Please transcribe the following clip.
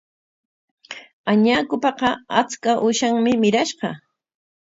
Añakupaqa achka uushanmi mirashqa.